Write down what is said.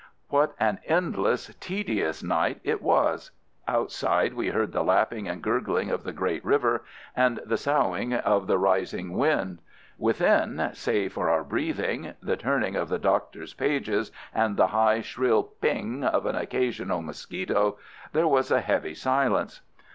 What an endless, tedious night it was! Outside we heard the lapping and gurgling of the great river, and the soughing of the rising wind. Within, save for our breathing, the turning of the Doctor's pages, and the high, shrill ping of an occasional mosquito, there was a heavy silence.